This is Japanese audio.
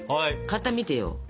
型見てよ。